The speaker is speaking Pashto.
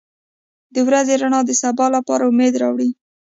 • د ورځې رڼا د سبا لپاره امید راوړي.